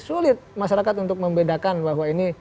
maka ini masyarakat untuk membedakan bahwa ini